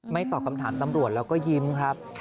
ตอบคำถามตำรวจแล้วก็ยิ้มครับ